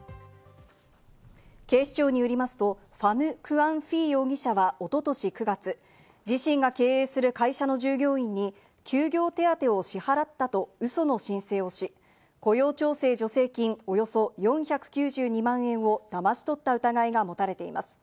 警視庁によりますと、ファム・クアン・フィー容疑者は一昨年９月、自身が経営する会社の従業員に休業手当を支払ったとウソの申請をし、雇用調整助成金およそ４９２万円をだまし取った疑いが持たれています。